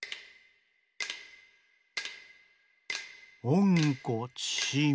「おんこちしん」。